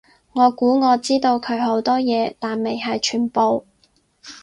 我估我知佢好多嘢，但未係全部